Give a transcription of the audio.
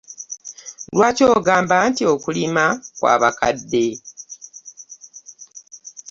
Lwaki ogamba nti okulima kw'abakade?